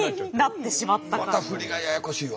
また振りがややこしいわ。